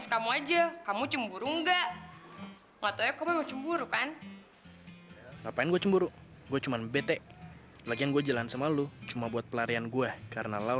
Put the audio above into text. sampai jumpa di video selanjutnya